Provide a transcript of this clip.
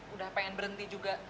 udah pengen berhenti juga